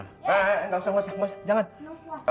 eh eh enggak usah enggak usah enggak usah